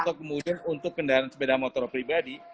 atau kemudian untuk kendaraan sepeda motor pribadi